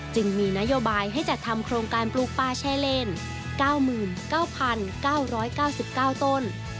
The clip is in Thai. จึงมีนโยบายให้จัดทำโครงการปลูกปลาแช่เลน๙๙๙๙ต้น